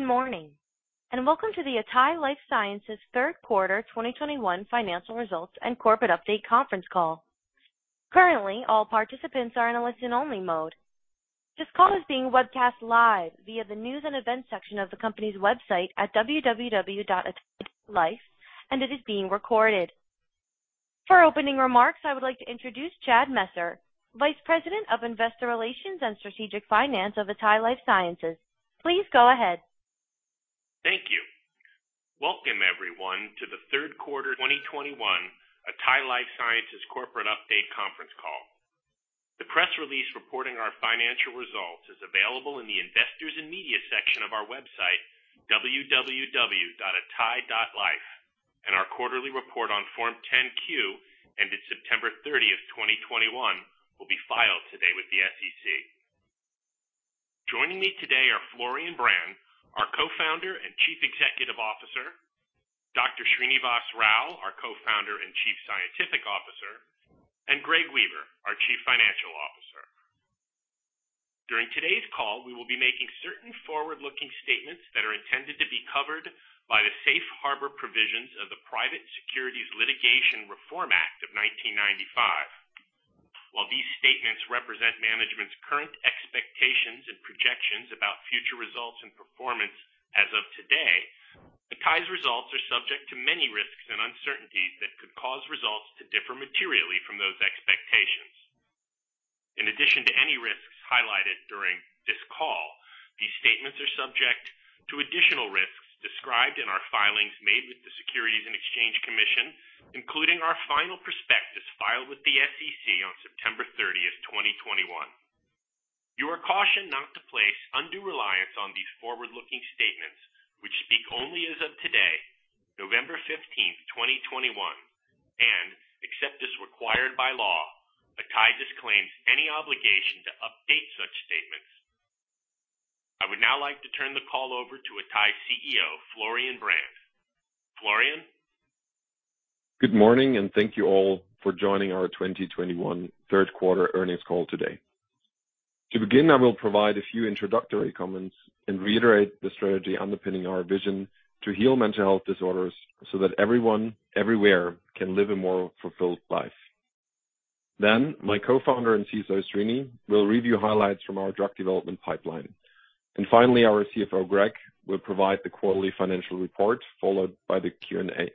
Good morning, and welcome to the atai Life Sciences third quarter 2021 financial results and corporate update conference call. Currently, all participants are in a listen-only mode. This call is being webcast live via the News and Events section of the company's website at www.atai.life, and it is being recorded. For opening remarks, I would like to introduce Chad Messer, Vice President of Investor Relations and Strategic Finance of atai Life Sciences. Please go ahead. Thank you. Welcome, everyone, to the third quarter 2021 atai Life Sciences corporate update conference call. The press release reporting our financial results is available in the investors and media section of our website, www.atai.life. Our quarterly report on Form 10-Q ended September 30, 2021 will be filed today with the SEC. Joining me today are Florian Brand, our Co-Founder and Chief Executive Officer, Dr. Srinivas Rao, our Co-Founder and Chief Scientific Officer, and Greg Weaver, our Chief Financial Officer. During today's call, we will be making certain forward-looking statements that are intended to be covered by the safe harbor provisions of the Private Securities Litigation Reform Act of 1995. While these statements represent management's current expectations and projections about future results and performance as of today, atai's results are subject to many risks and uncertainties that could cause results to differ materially from those expectations. In addition to any risks highlighted during this call, these statements are subject to additional risks described in our filings made with the Securities and Exchange Commission, including our final prospectus filed with the SEC on September 30, 2021. You are cautioned not to place undue reliance on these forward-looking statements, which speak only as of today, November 15, 2021, and except as required by law, atai disclaims any obligation to update such statements. I would now like to turn the call over to atai CEO, Florian Brand. Florian. Good morning, and thank you all for joining our 2021 third quarter earnings call today. To begin, I will provide a few introductory comments and reiterate the strategy underpinning our vision to heal mental health disorders so that everyone everywhere can live a more fulfilled life. My Co-Founder and CSO, Srini, will review highlights from our drug development pipeline. Finally, our CFO, Greg, will provide the quarterly financial report, followed by the Q&A.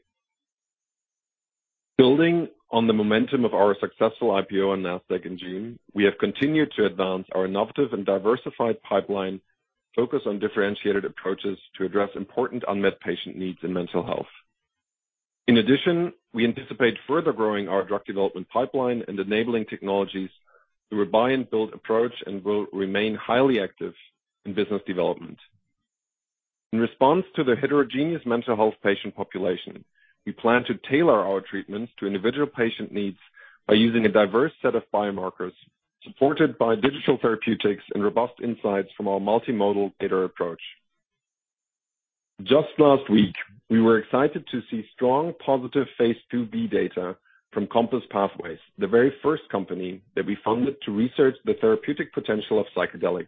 Building on the momentum of our successful IPO on Nasdaq in June, we have continued to advance our innovative and diversified pipeline focused on differentiated approaches to address important unmet patient needs in mental health. In addition, we anticipate further growing our drug development pipeline and enabling technologies through a buy and build approach and will remain highly active in business development. In response to the heterogeneous mental health patient population, we plan to tailor our treatments to individual patient needs by using a diverse set of biomarkers supported by digital therapeutics and robust insights from our multimodal data approach. Just last week, we were excited to see strong positive phase II-B data from COMPASS Pathways, the very first company that we funded to research the therapeutic potential of psychedelics.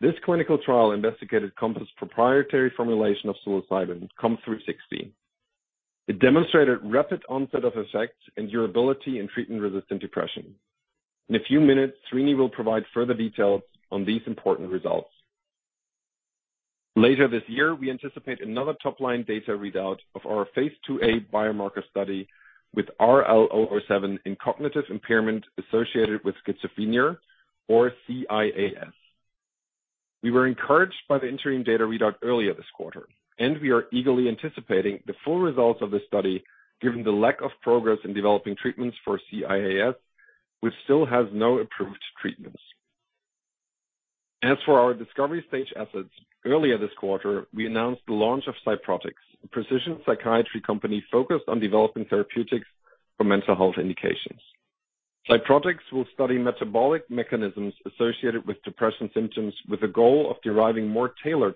This clinical trial investigated COMPASS' proprietary formulation of psilocybin, COMP360. It demonstrated rapid onset of effects and durability in treatment-resistant depression. In a few minutes, Srini will provide further details on these important results. Later this year, we anticipate another top-line data readout of our phase II-A biomarker study with RL-007 in cognitive impairment associated with schizophrenia, or CIAS. We were encouraged by the interim data readout earlier this quarter, and we are eagerly anticipating the full results of this study, given the lack of progress in developing treatments for CIAS, which still has no approved treatments. As for our discovery stage assets, earlier this quarter, we announced the launch of PsyProtix, a precision psychiatry company focused on developing therapeutics for mental health indications. PsyProtix will study metabolic mechanisms associated with depression symptoms with the goal of deriving more tailored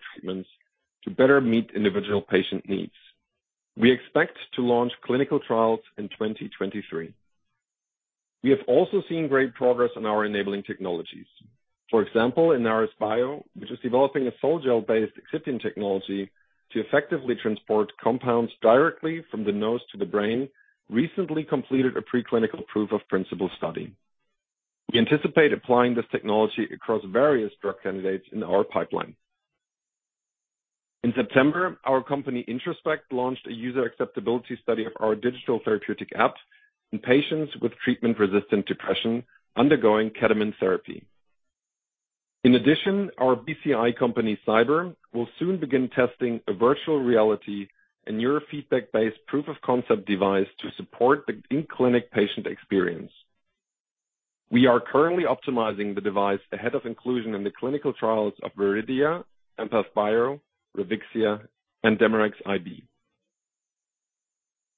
treatments to better meet individual patient needs. We expect to launch clinical trials in 2023. We have also seen great progress on our enabling technologies. For example, in InnarisBio, which is developing a sol-gel-based excipient technology to effectively transport compounds directly from the nose to the brain, recently completed a preclinical proof of principle study. We anticipate applying this technology across various drug candidates in our pipeline. In September, our company, Introspect, launched a user acceptability study of our digital therapeutic app in patients with treatment-resistant depression undergoing ketamine therapy. In addition, our BCI company, Psyber, will soon begin testing a virtual reality and neurofeedback-based proof of concept device to support the in-clinic patient experience. We are currently optimizing the device ahead of inclusion in the clinical trials of Viridia, EmpathBio, Revixia, and DemeRx IB.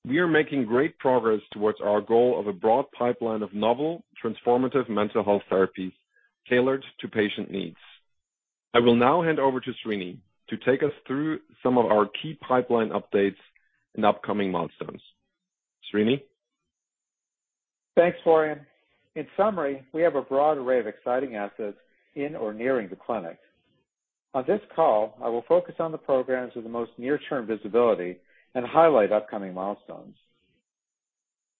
We are making great progress towards our goal of a broad pipeline of novel, transformative mental health therapies tailored to patient needs. I will now hand over to Srini to take us through some of our key pipeline updates and upcoming milestones. Srini. Thanks, Florian. In summary, we have a broad array of exciting assets in or nearing the clinic. On this call, I will focus on the programs with the most near-term visibility and highlight upcoming milestones.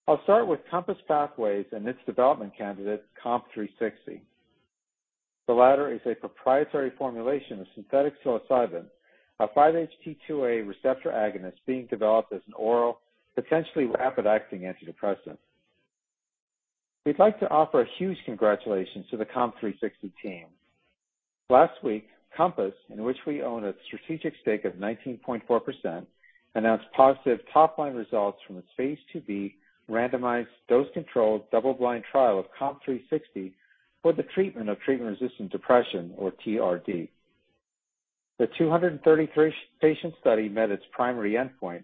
I'll start with COMPASS Pathways and its development candidate, COMP360. The latter is a proprietary formulation of synthetic psilocybin, a 5-HT2A receptor agonist being developed as an oral, potentially rapid-acting antidepressant. We'd like to offer a huge congratulations to the COMP360 team. Last week, COMPASS, in which we own a strategic stake of 19.4%, announced positive top-line results from its phase II-B randomized, dose-controlled, double-blind trial of COMP360 for the treatment of treatment-resistant depression or TRD. The 233-patient study met its primary endpoint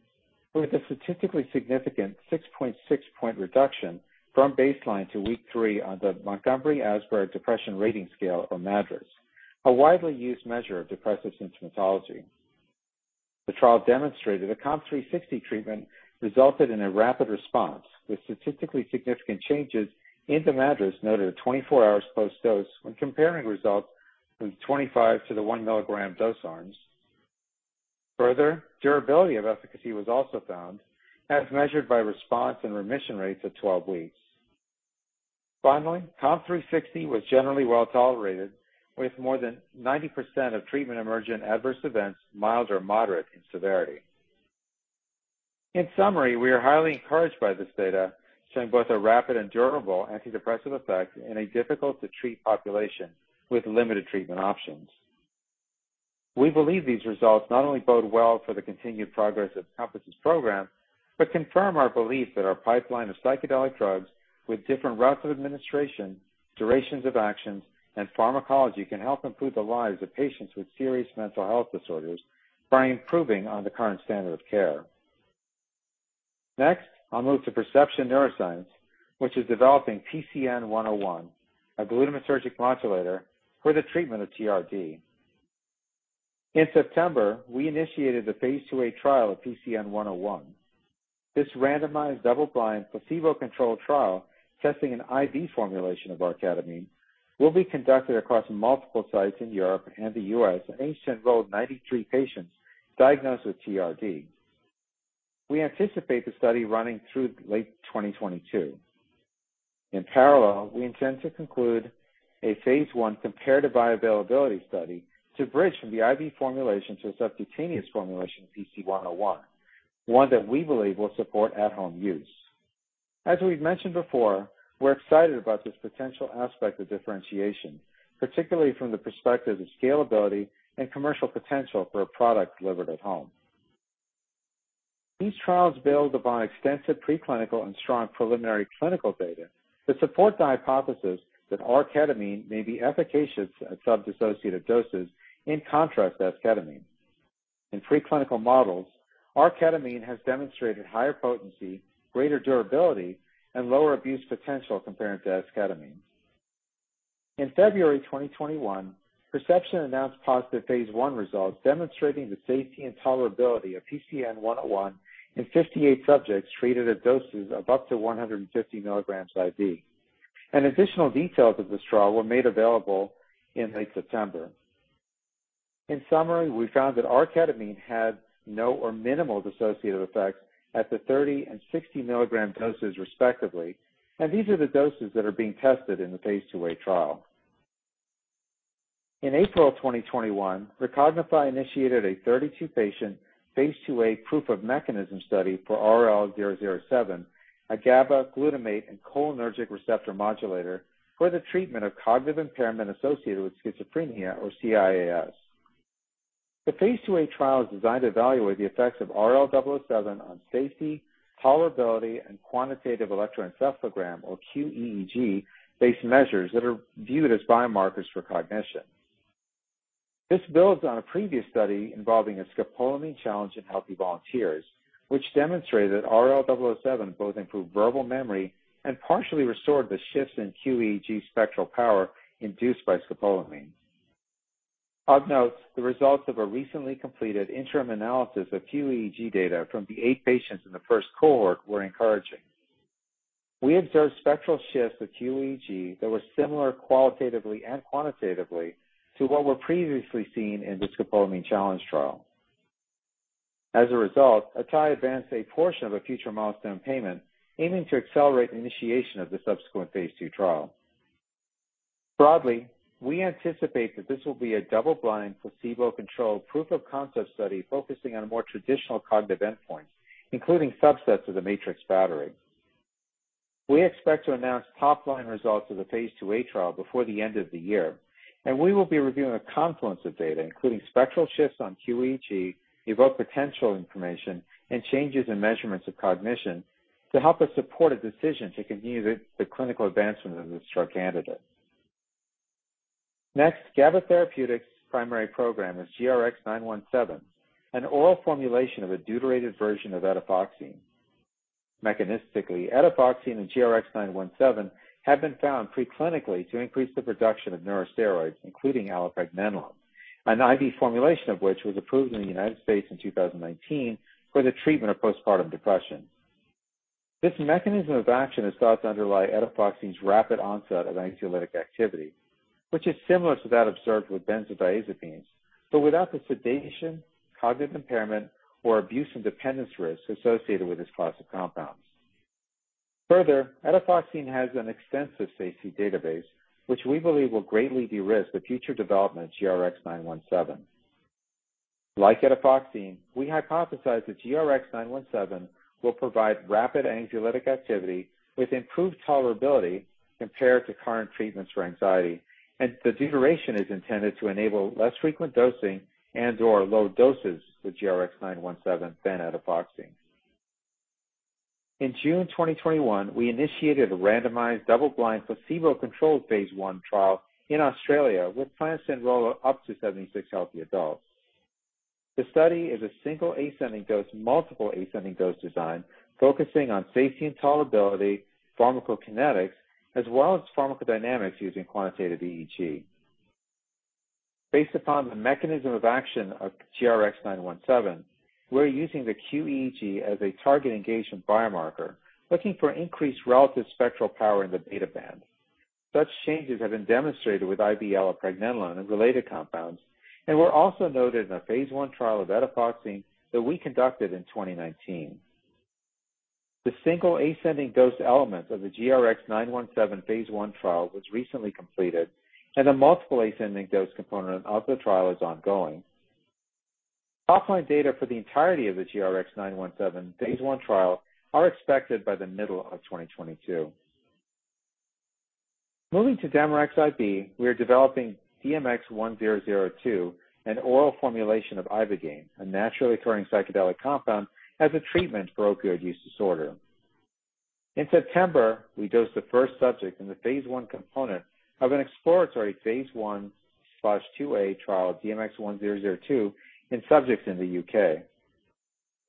with a statistically significant 6.6-point reduction from baseline to week three on the Montgomery-Åsberg Depression Rating Scale, or MADRS, a widely used measure of depressive symptomatology. The trial demonstrated a COMP360 treatment resulted in a rapid response with statistically significant changes in the MADRS noted at 24 hours post-dose when comparing results from 25 mg to the 1 mg dose arms. Further, durability of efficacy was also found as measured by response and remission rates at 12 weeks. Finally, COMP360 was generally well tolerated, with more than 90% of treatment-emergent adverse events mild or moderate in severity. In summary, we are highly encouraged by this data showing both a rapid and durable antidepressive effect in a difficult to treat population with limited treatment options. We believe these results not only bode well for the continued progress of COMPASS' program, but confirm our belief that our pipeline of psychedelic drugs with different routes of administration, durations of actions, and pharmacology can help improve the lives of patients with serious mental health disorders by improving on the current standard of care. Next, I'll move to Perception Neuroscience, which is developing PCN-101, a glutamatergic modulator for the treatment of TRD. In September, we initiated the phase II-A trial of PCN-101. This randomized, double-blind, placebo-controlled trial testing an IV formulation of arketamine will be conducted across multiple sites in Europe and the U.S. and may enroll 93 patients diagnosed with TRD. We anticipate the study running through late 2022. In parallel, we intend to conclude a phase I comparative bioavailability study to bridge from the IV formulation to a subcutaneous formulation of PCN-101, one that we believe will support at home use. As we've mentioned before, we're excited about this potential aspect of differentiation, particularly from the perspective of scalability and commercial potential for a product delivered at home. These trials build upon extensive pre-clinical and strong preliminary clinical data that support the hypothesis that arketamine may be efficacious at sub-dissociative doses in contrast to esketamine. In pre-clinical models, arketamine has demonstrated higher potency, greater durability, and lower abuse potential compared to esketamine. In February 2021, Perception announced positive phase I results demonstrating the safety and tolerability of PCN-101 in 58 subjects treated at doses of up to 150 mg IV. Additional details of this trial were made available in late September. In summary, we found that arketamine had no or minimal dissociative effects at the 30 mg and 60 mg doses respectively, and these are the doses that are being tested in the phase II-A trial. In April 2021, Recognify initiated a 32-patient phase II-A proof of mechanism study for RL-007, a GABA, glutamate, and cholinergic receptor modulator for the treatment of cognitive impairment associated with schizophrenia or CIAS. The phase II-A trial is designed to evaluate the effects of RL-007 on safety, tolerability, and quantitative electroencephalogram or qEEG-based measures that are viewed as biomarkers for cognition. This builds on a previous study involving a scopolamine challenge in healthy volunteers, which demonstrated that RL-007 both improved verbal memory and partially restored the shifts in qEEG spectral power induced by scopolamine. I'll note the results of a recently completed interim analysis of qEEG data from the eight patients in the first cohort were encouraging. We observed spectral shifts with qEEG that were similar qualitatively and quantitatively to what were previously seen in the scopolamine challenge trial. As a result, atai advanced a portion of a future milestone payment aiming to accelerate initiation of the subsequent phase II trial. Broadly, we anticipate that this will be a double-blind, placebo-controlled proof of concept study focusing on a more traditional cognitive endpoint, including subsets of the MATRICS battery. We expect to announce top-line results of the phase II-A trial before the end of the year, and we will be reviewing a confluence of data, including spectral shifts on qEEG, evoked potential information, and changes in measurements of cognition to help us support a decision to continue the clinical advancement of this drug candidate. Next, GABA Therapeutics' primary program is GRX-917, an oral formulation of a deuterated version of etifoxine. Mechanistically, etifoxine and GRX-917 have been found preclinically to increase the production of neurosteroids, including allopregnanolone. An IV formulation of which was approved in the United States in 2019 for the treatment of postpartum depression. This mechanism of action is thought to underlie etifoxine's rapid onset of anxiolytic activity, which is similar to that observed with benzodiazepines, but without the sedation, cognitive impairment, or abuse and dependence risk associated with this class of compounds. Further, etifoxine has an extensive safety database, which we believe will greatly de-risk the future development of GRX-917. Like etifoxine, we hypothesize that GRX-917 will provide rapid anxiolytic activity with improved tolerability compared to current treatments for anxiety, and the duration is intended to enable less frequent dosing and/or low doses with GRX-917 than etifoxine. In June 2021, we initiated a randomized double-blind placebo-controlled phase I trial in Australia with plans to enroll up to 76 healthy adults. The study is a single ascending dose, multiple ascending dose design focusing on safety and tolerability, pharmacokinetics, as well as pharmacodynamics using quantitative EEG. Based upon the mechanism of action of GRX-917, we're using the qEEG as a target engagement biomarker, looking for increased relative spectral power in the beta band. Such changes have been demonstrated with IBL or pregnenolone and related compounds, and were also noted in a phase I trial of etifoxine that we conducted in 2019. The single ascending dose elements of the GRX-917 phase I trial was recently completed, and the multiple ascending dose component of the trial is ongoing. Top-line data for the entirety of the GRX-917 phase I trial are expected by the middle of 2022. Moving to DemeRx IB, we are developing DMX-1002, an oral formulation of ibogaine, a naturally occurring psychedelic compound, as a treatment for opioid use disorder. In September, we dosed the first subject in the phase I component of an exploratory phase I/II-A trial of DMX-1002 in subjects in the U.K.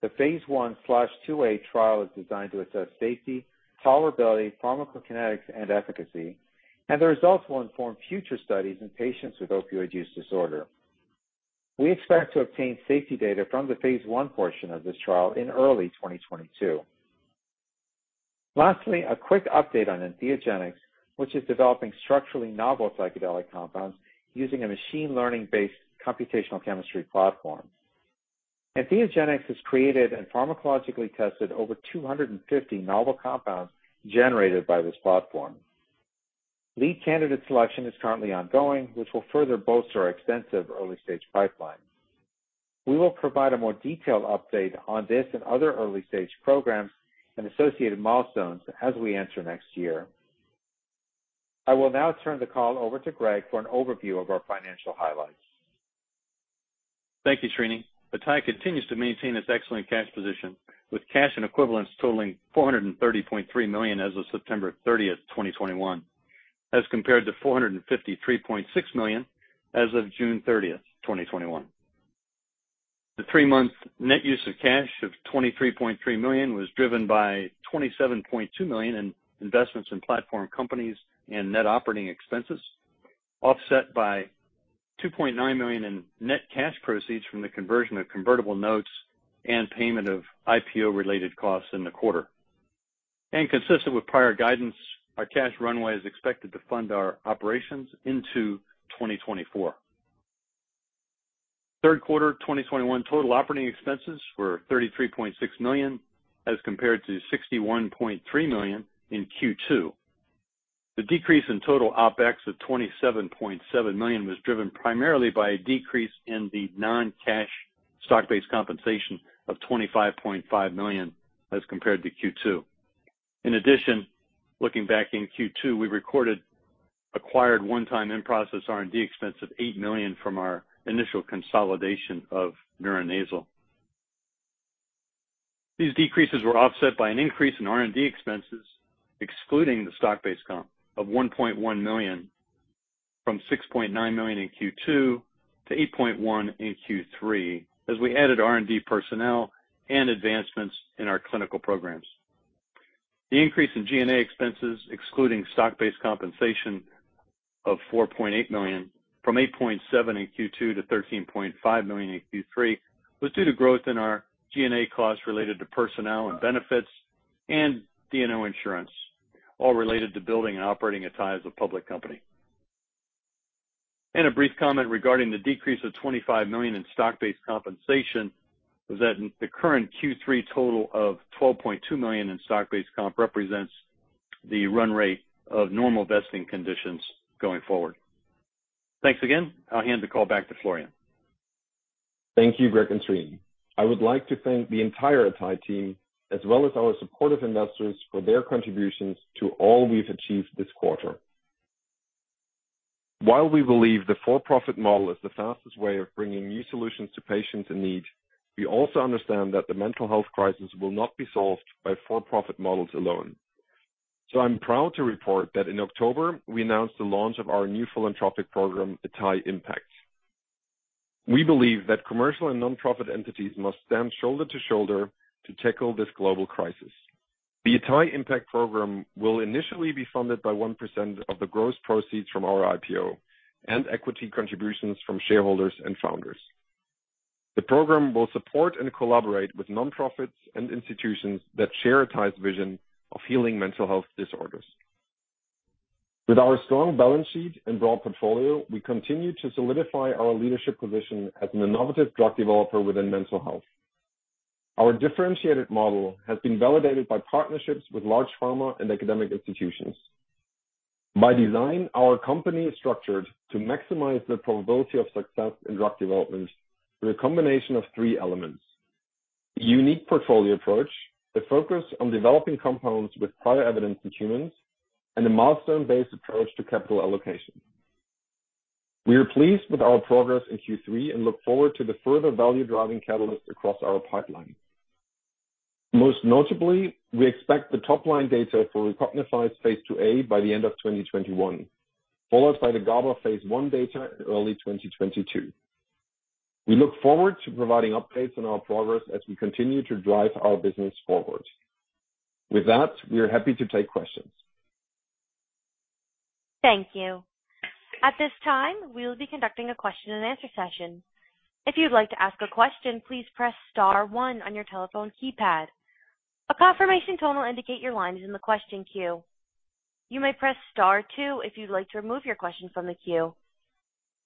The phase I/II-A trial is designed to assess safety, tolerability, pharmacokinetics, and efficacy. The results will inform future studies in patients with opioid use disorder. We expect to obtain safety data from the phase I portion of this trial in early 2022. Lastly, a quick update on EntheogeniX Biosciences, which is developing structurally novel psychedelic compounds using a machine learning-based computational chemistry platform. EntheogeniX Biosciences has created and pharmacologically tested over 250 novel compounds generated by this platform. Lead candidate selection is currently ongoing, which will further bolster our extensive early-stage pipeline. We will provide a more detailed update on this and other early-stage programs and associated milestones as we enter next year. I will now turn the call over to Greg for an overview of our financial highlights. Thank you, Srini. atai continues to maintain its excellent cash position, with cash and equivalents totaling $430.3 million as of September 30, 2021, as compared to $453.6 million as of June 30, 2021. The three-month net use of cash of $23.3 million was driven by $27.2 million in investments in platform companies and net operating expenses, offset by $2.9 million in net cash proceeds from the conversion of convertible notes and payment of IPO-related costs in the quarter. Consistent with prior guidance, our cash runway is expected to fund our operations into 2024. Third quarter 2021 total operating expenses were $33.6 million, as compared to $61.3 million in Q2. The decrease in total OpEx of $27.7 million was driven primarily by a decrease in the non-cash stock-based compensation of $25.5 million as compared to Q2. In addition, looking back in Q2, we recorded acquired one-time in-process R&D expense of $8 million from our initial consolidation of Neuronasal. These decreases were offset by an increase in R&D expenses, excluding the stock-based comp of $1.1 million from $6.9 million in Q2 to $8.1 million in Q3 as we added R&D personnel and advancements in our clinical programs. The increase in G&A expenses, excluding stock-based compensation of $4.8 million, from $8.7 million in Q2 to $13.5 million in Q3, was due to growth in our G&A costs related to personnel and benefits and D&O insurance, all related to building and operating atai as a public company. A brief comment regarding the decrease of $25 million in stock-based compensation was that the current Q3 total of $12.2 million in stock-based comp represents the run rate of normal vesting conditions going forward. Thanks again. I'll hand the call back to Florian. Thank you, Greg and Srini. I would like to thank the entire atai team, as well as our supportive investors, for their contributions to all we've achieved this quarter. While we believe the for-profit model is the fastest way of bringing new solutions to patients in need, we also understand that the mental health crisis will not be solved by for-profit models alone. I'm proud to report that in October, we announced the launch of our new philanthropic program, atai Impact. We believe that commercial and nonprofit entities must stand shoulder to shoulder to tackle this global crisis. The atai Impact program will initially be funded by 1% of the gross proceeds from our IPO and equity contributions from shareholders and founders. The program will support and collaborate with nonprofits and institutions that share atai's vision of healing mental health disorders. With our strong balance sheet and broad portfolio, we continue to solidify our leadership position as an innovative drug developer within mental health. Our differentiated model has been validated by partnerships with large pharma and academic institutions. By design, our company is structured to maximize the probability of success in drug development with a combination of three elements. A unique portfolio approach, the focus on developing compounds with prior evidence in humans, and a milestone-based approach to capital allocation. We are pleased with our progress in Q3 and look forward to the further value-driving catalyst across our pipeline. Most notably, we expect the top-line data for Recognify's phase II-A by the end of 2021, followed by the GABA phase I data in early 2022. We look forward to providing updates on our progress as we continue to drive our business forward. With that, we are happy to take questions. Thank you. At this time, we'll be conducting a question and answer session. If you'd like to ask a question, please press star one on your telephone keypad. A confirmation tone will indicate your line is in the question queue. You may press star two if you'd like to remove your question from the queue.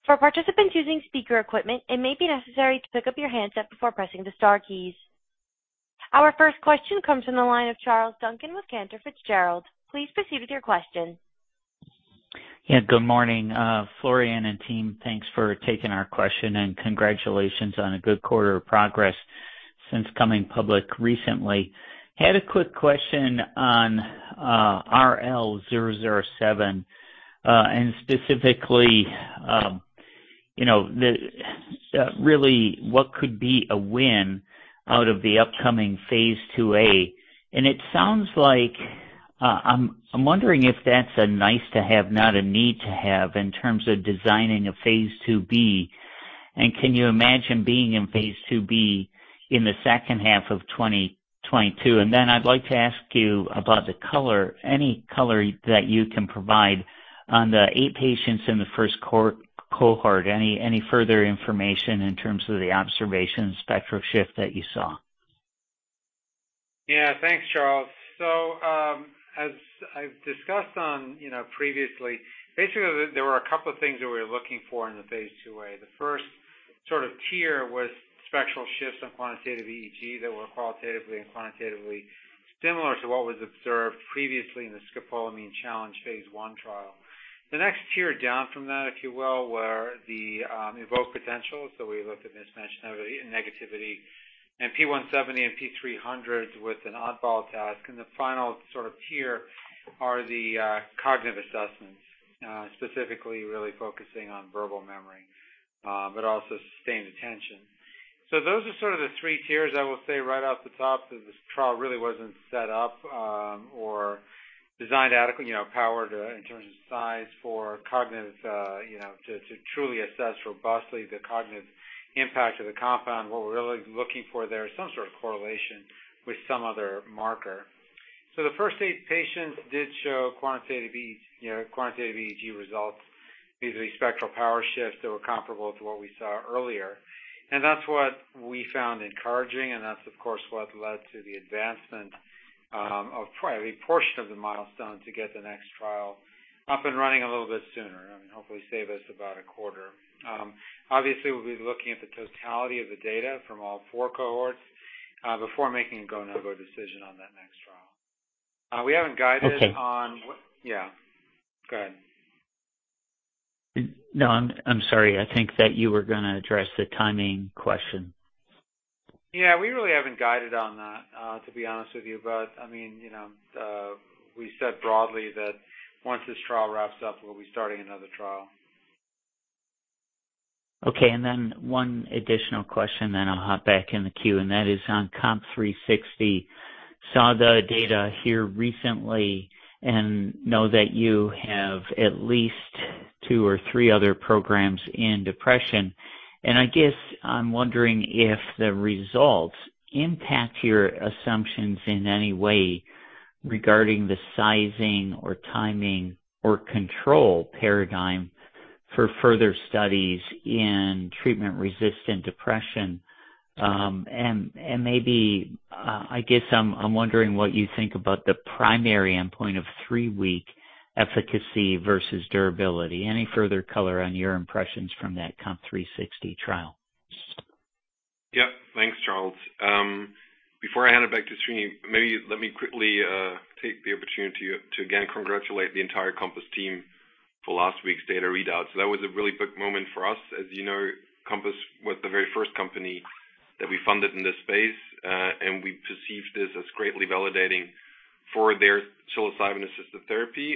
For participants using speaker equipment, it may be necessary to pick up your handset before pressing the star keys. Our first question comes from the line of Charles Duncan with Cantor Fitzgerald. Please proceed with your question. Yeah, good morning, Florian and team. Thanks for taking our question, and congratulations on a good quarter of progress since coming public recently. I had a quick question on RL-007 and specifically, you know, really what could be a win out of the upcoming phase II-A. It sounds like I'm wondering if that's a nice to have, not a need to have in terms of designing a phase II-B. Can you imagine being in phase II-B in the second half of 2022? Then I'd like to ask you about the color, any color that you can provide on the eight patients in the first cohort. Any further information in terms of the observed spectral shift that you saw? Yeah. Thanks, Charles. As I've discussed previously, basically there were a couple of things that we were looking for in the phase II-A. The first sort of tier was spectral shifts in quantitative EEG that were qualitatively and quantitatively similar to what was observed previously in the scopolamine challenge phase I trial. The next tier down from that, if you will, were the evoked potentials. We looked at mismatch negativity and P170 and P300 with an oddball task. The final sort of tier are the cognitive assessments, specifically really focusing on verbal memory, but also sustained attention. Those are sort of the three tiers. I will say right off the top that this trial really wasn't set up or designed adequately, you know, powered in terms of size for cognitive, you know, to truly assess robustly the cognitive impact of the compound. What we're really looking for there is some sort of correlation with some other marker. The first eight patients did show quantitative EEG, you know, quantitative EEG results, basically spectral power shifts that were comparable to what we saw earlier. That's what we found encouraging and that's, of course, what led to the advancement of probably a portion of the milestone to get the next trial up and running a little bit sooner and hopefully save us about a quarter. Obviously, we'll be looking at the totality of the data from all four cohorts before making a go no-go decision on that next trial. We haven't guided- Okay. Yeah, go ahead. No, I'm sorry. I think that you were gonna address the timing question. Yeah. We really haven't guided on that, to be honest with you. I mean, you know, we said broadly that once this trial wraps up, we'll be starting another trial. Okay. One additional question, then I'll hop back in the queue, and that is on COMP360. Saw the data here recently and know that you have at least two or three other programs in depression. I guess I'm wondering if the results impact your assumptions in any way regarding the sizing or timing or control paradigm for further studies in treatment-resistant depression. Maybe, I guess I'm wondering what you think about the primary endpoint of three-week efficacy versus durability. Any further color on your impressions from that COMP360 trial? Yep. Thanks, Charles. Before I hand it back to Srini, maybe let me quickly take the opportunity to, again, congratulate the entire COMPASS team for last week's data readout. That was a really big moment for us. As you know, COMPASS was the very first company that we funded in this space, and we perceive this as greatly validating for their psilocybin-assisted therapy,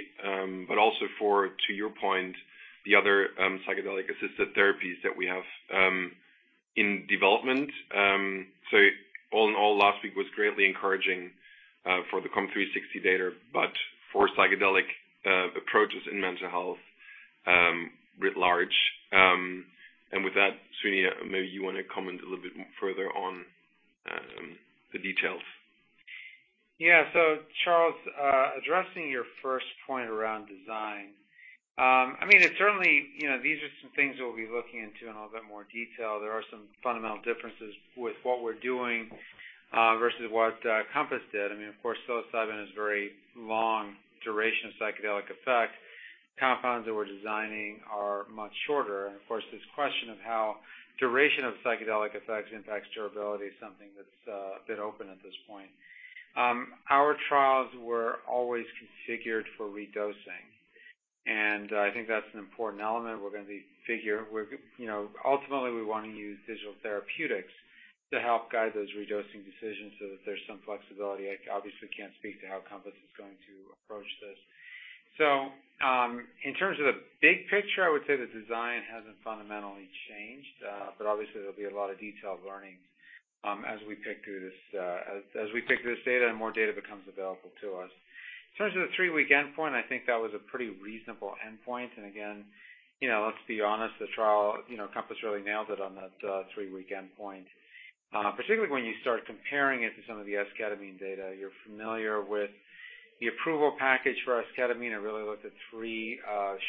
but also for, to your point, the other psychedelic-assisted therapies that we have in development. All in all, last week was greatly encouraging for the COMP360 data, but for psychedelic approaches in mental health. Writ large. With that, Srini, maybe you want to comment a little bit further on the details. Yeah. Charles, addressing your first point around design, I mean, it certainly, you know, these are some things that we'll be looking into in a little bit more detail. There are some fundamental differences with what we're doing versus what COMPASS did. I mean, of course, psilocybin is very long duration psychedelic effect. Compounds that we're designing are much shorter. Of course, this question of how duration of psychedelic effects impacts durability is something that's a bit open at this point. Our trials were always configured for redosing, and I think that's an important element. We're, you know, ultimately we wanna use digital therapeutics to help guide those redosing decisions so that there's some flexibility. I obviously can't speak to how COMPASS is going to approach this. in terms of the big picture, I would say the design hasn't fundamentally changed. obviously there'll be a lot of detailed learnings, as we pick through this data and more data becomes available to us. In terms of the three-week endpoint, I think that was a pretty reasonable endpoint. again, you know, let's be honest, the trial, you know, COMPASS really nailed it on that three-week endpoint. particularly when you start comparing it to some of the esketamine data. You're familiar with the approval package for esketamine. It really looked at three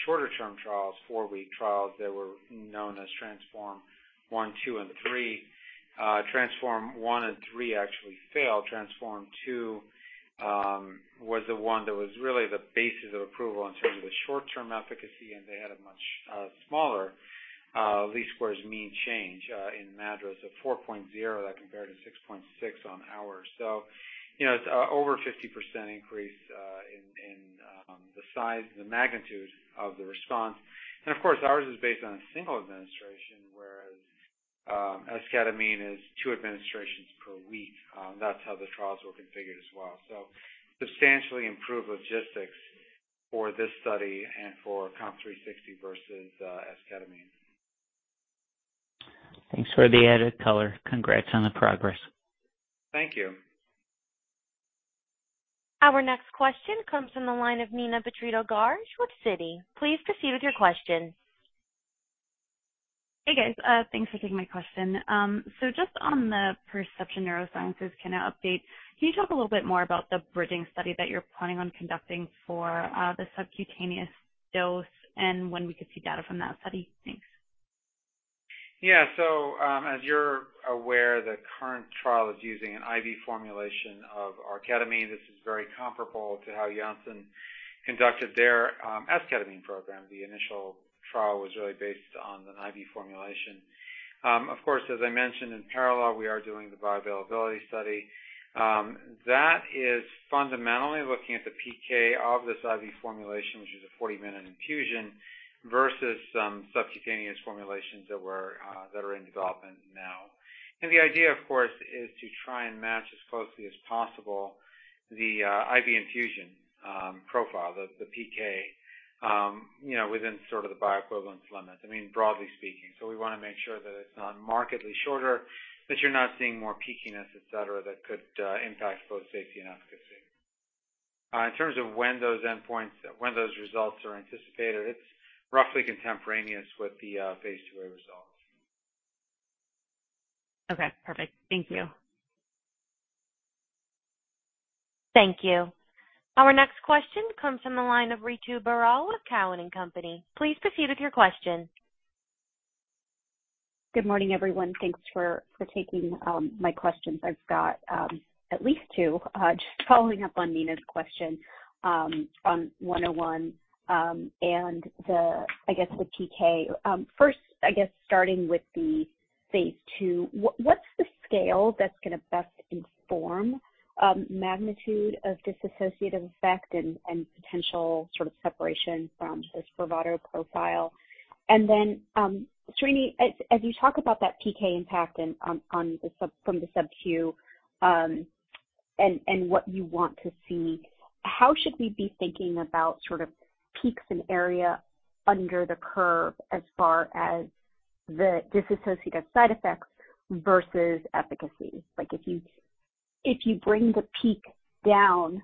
shorter term trials, four-week trials that were known as TRANSFORM-1, TRANSFORM-2, and TRANSFORM-3. TRANSFORM-1 and TRANSFORM-3 actually failed. TRANSFORM-2 was the one that was really the basis of approval in terms of the short-term efficacy, and they had a much smaller least squares mean change in MADRS of 4.0. That compared to 6.6 on ours. You know, it's over 50% increase in the size and the magnitude of the response. And of course, ours is based on a single administration, whereas esketamine is two administrations per week. That's how the trials were configured as well. Substantially improved logistics for this study and for COMP360 versus esketamine. Thanks for the added color. Congrats on the progress. Thank you. Our next question comes from the line of Neena Bitritto-Garg with Citi. Please proceed with your question. Hey, guys. Thanks for taking my question. Just on the Perception Neuroscience kind of update, can you talk a little bit more about the bridging study that you're planning on conducting for the subcutaneous dose and when we could see data from that study? Thanks. Yeah. As you're aware, the current trial is using an IV formulation of our ketamine. This is very comparable to how Janssen conducted their esketamine program. The initial trial was really based on an IV formulation. Of course, as I mentioned in parallel, we are doing the bioavailability study. That is fundamentally looking at the PK of this IV formulation, which is a 40-minute infusion versus some subcutaneous formulations that are in development now. The idea, of course, is to try and match as closely as possible the IV infusion profile, the PK, you know, within sort of the bioequivalence limits. I mean, broadly speaking. We wanna make sure that it's not markedly shorter, that you're not seeing more peakiness, etc., that could impact both safety and efficacy. In terms of when those results are anticipated, it's roughly contemporaneous with the phase II-A results. Okay. Perfect. Thank you. Thank you. Our next question comes from the line of Ritu Baral with Cowen and Company. Please proceed with your question. Good morning, everyone. Thanks for taking my questions. I've got at least two. Just following up on Neena's question on 101 and the PK. First, starting with the phase II, what's the scale that's gonna best inform magnitude of dissociative effect and potential sort of separation from the Spravato profile? Then, Srini, as you talk about that PK impact and on the sub-- from the subcu and what you want to see, how should we be thinking about sort of peaks in area under the curve as far as the dissociative side effects versus efficacy? Like if you bring the peak down,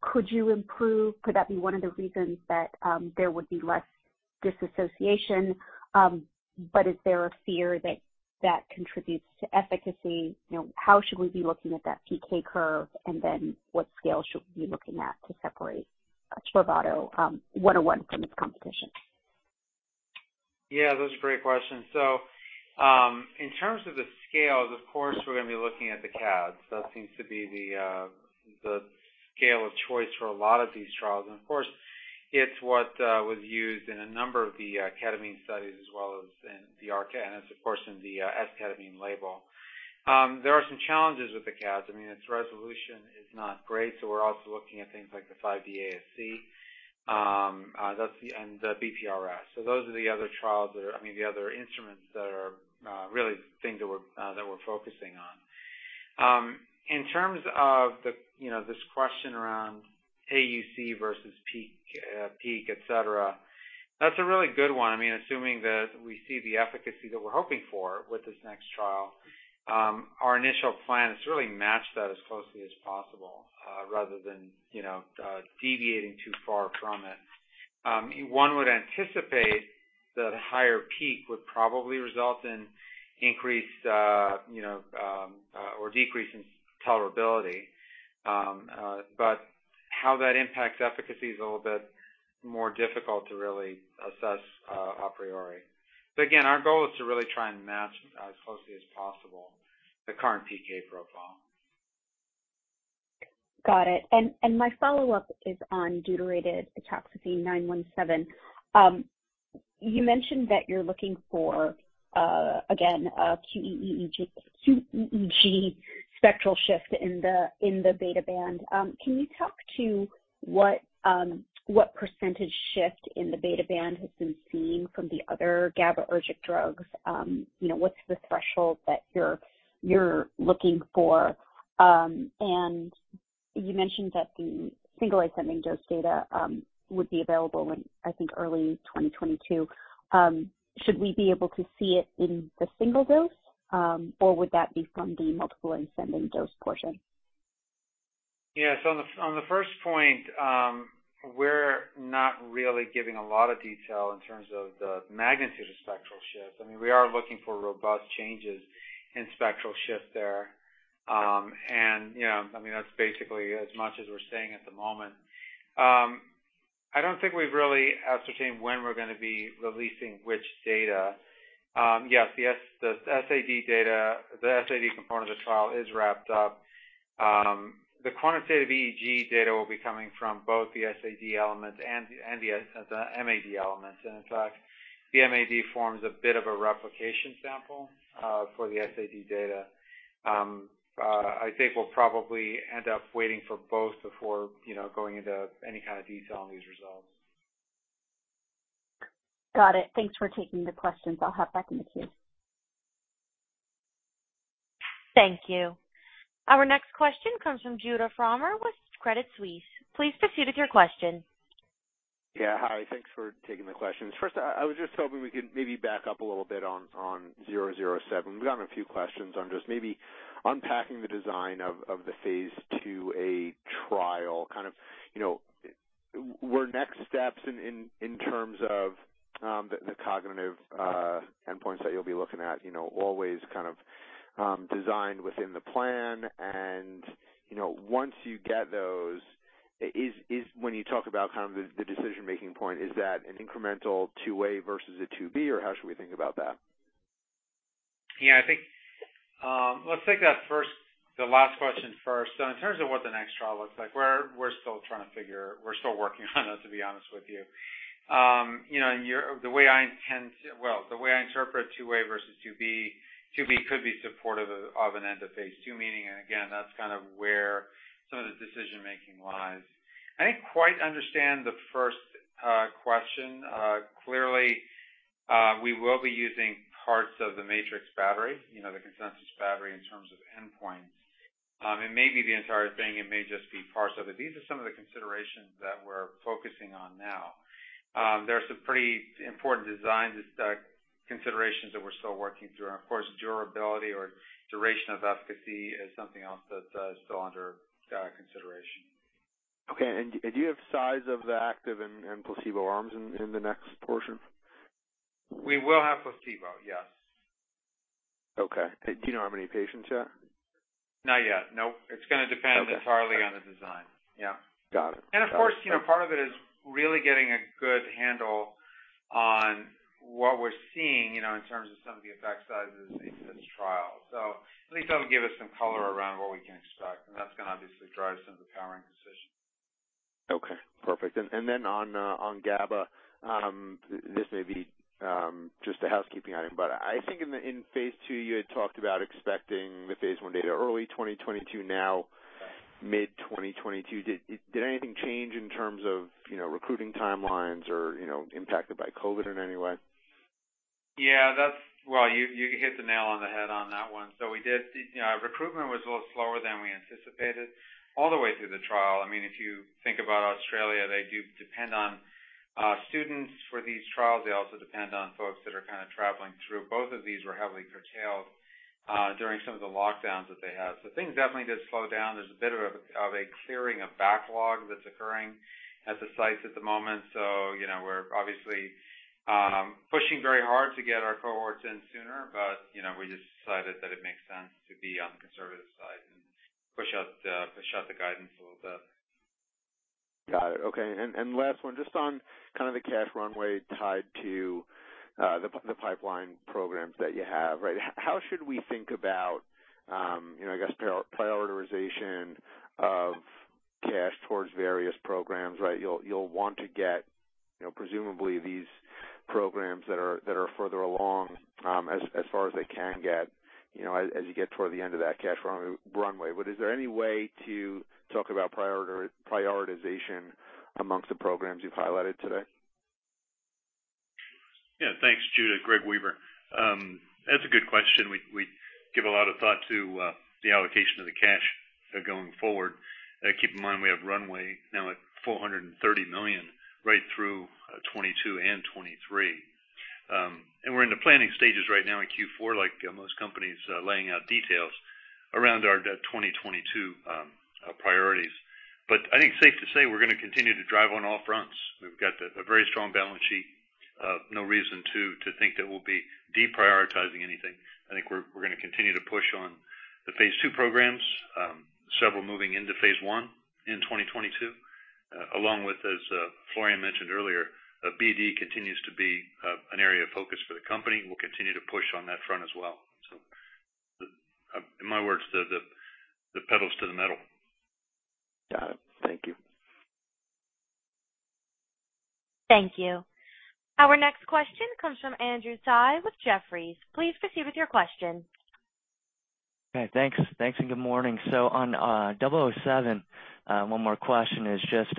could you improve-- Could that be one of the reasons that there would be less dissociation? Is there a fear that contributes to efficacy? You know, how should we be looking at that PK curve? What scale should we be looking at to separate Spravato 101 from its competition? Yeah, those are great questions. In terms of the scales, of course, we're gonna be looking at the CADSS. That seems to be the scale of choice for a lot of these trials. Of course, it's what was used in a number of the ketamine studies as well as in the esketamine and it's of course in the esketamine label. There are some challenges with the CADSS. I mean, its resolution is not great, so we're also looking at things like the 5D-ASC and the BPRS. Those are the other instruments that are really the thing that we're focusing on. In terms of you know this question around AUC versus peak etc., that's a really good one. I mean, assuming that we see the efficacy that we're hoping for with this next trial, our initial plan is to really match that as closely as possible, rather than, you know, deviating too far from it. One would anticipate the higher peak would probably result in increased or decrease in tolerability. How that impacts efficacy is a little bit more difficult to really assess a priori. Again, our goal is to really try and match as closely as possible the current PK profile. Got it. My follow-up is on deuterated etifoxine 917. You mentioned that you're looking for a qEEG spectral shift in the beta band. Can you talk to what percentage shift in the beta band has been seen from the other GABAergic drugs? You know, what's the threshold that you're looking for? You mentioned that the single ascending dose data would be available in, I think, early 2022. Should we be able to see it in the single dose or would that be from the multiple ascending dose portion? Yes. On the first point, we're not really giving a lot of detail in terms of the magnitude of spectral shift. I mean, we are looking for robust changes in spectral shift there. You know, I mean, that's basically as much as we're saying at the moment. I don't think we've really ascertained when we're gonna be releasing which data. Yes, the SAD data, the SAD component of the trial is wrapped up. The quantitative EEG data will be coming from both the SAD elements and the MAD elements. In fact, the MAD forms a bit of a replication sample for the SAD data. I think we'll probably end up waiting for both before, you know, going into any kind of detail on these results. Got it. Thanks for taking the questions. I'll hop back in the queue. Thank you. Our next question comes from Judah Frommer with Credit Suisse. Please proceed with your question. Yeah. Hi. Thanks for taking the questions. First, I was just hoping we could maybe back up a little bit on RL-007. We've gotten a few questions on just maybe unpacking the design of the phase II-A trial. Kind of, you know, what are the next steps in terms of the cognitive endpoints that you'll be looking at, you know, and how it's kind of designed within the plan. You know, once you get those, when you talk about the decision-making point, is that an incremental II-A versus a II-B, or how should we think about that? I think, let's take that first, the last question first. In terms of what the next trial looks like, we're still working on it, to be honest with you. You know, the way I interpret II-A versus II-B could be supportive of an end-of-phase II meeting. Again, that's kind of where some of the decision-making lies. I didn't quite understand the first question. Clearly, we will be using parts of the MATRICS battery, you know, the consensus battery in terms of endpoints. It may be the entire thing, it may just be parts of it. These are some of the considerations that we're focusing on now. There are some pretty important design considerations that we're still working through. Of course, durability or duration of efficacy is something else that is still under consideration. Okay. Do you have size of the active and placebo arms in the next portion? We will have placebo, yes. Okay. Do you know how many patients yet? Not yet, no. Okay. It's gonna depend entirely on the design. Yeah. Got it. Of course, you know, part of it is really getting a good handle on what we're seeing, you know, in terms of some of the effect sizes in this trial. At least that'll give us some color around what we can expect, and that's gonna obviously drive some of the powering decisions. Okay, perfect. On GABA, this may be just a housekeeping item, but I think in phase II, you had talked about expecting the phase I data early 2022, now mid-2022. Did anything change in terms of recruiting timelines or impacted by COVID in any way? Yeah, that's well, you hit the nail on the head on that one. We did you know, our recruitment was a little slower than we anticipated all the way through the trial. I mean, if you think about Australia, they do depend on students for these trials. They also depend on folks that are kinda traveling through. Both of these were heavily curtailed during some of the lockdowns that they had. Things definitely did slow down. There's a bit of a clearing of backlog that's occurring at the sites at the moment. You know, we're obviously pushing very hard to get our cohorts in sooner, but you know, we just decided that it makes sense to be on the conservative side and push out the guidance a little bit. Got it. Okay. Last one, just on kind of the cash runway tied to the pipeline programs that you have, right? How should we think about, you know, I guess prioritization of cash towards various programs, right? You'll want to get, you know, presumably these programs that are further along as far as they can get, you know, as you get toward the end of that cash runway. But is there any way to talk about prioritization amongst the programs you've highlighted today? Yeah, thanks, Judah. Greg Weaver. That's a good question. We give a lot of thought to the allocation of the cash going forward. Keep in mind we have runway now at $430 million right through 2022 and 2023. We're in the planning stages right now in Q4, like most companies laying out details around our 2022 priorities. I think safe to say we're gonna continue to drive on all fronts. We've got a very strong balance sheet. No reason to think that we'll be deprioritizing anything. I think we're gonna continue to push on the phase II programs, several moving into phase I in 2022, along with, as Florian mentioned earlier, BD continues to be an area of focus for the company. We'll continue to push on that front as well. In my words, the pedal's to the metal. Got it. Thank you. Our next question comes from Andrew Tsai with Jefferies. Please proceed with your question. Okay, thanks. Thanks, and good morning. On RL-007, one more question is just